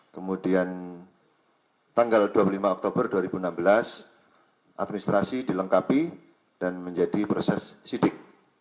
kemudian tanggal dua puluh lima oktober dua ribu enam belas administrasi dilengkapi dan menjadi proses sidik